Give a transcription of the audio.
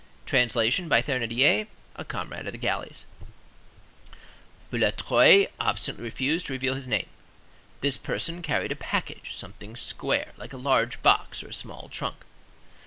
Translation by Thénardier: A comrade of the galleys. Boulatruelle obstinately refused to reveal his name. This person carried a package—something square, like a large box or a small trunk.